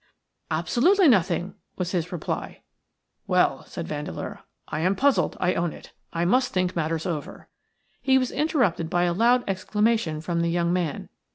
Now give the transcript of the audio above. "Absolutely nothing," was his response. "Well," said Vandeleur, "I am puzzled. I own it. I must think matters over." He was interrupted by a loud exclamation from the young man.